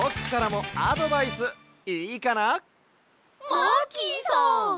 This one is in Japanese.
マーキーさん！？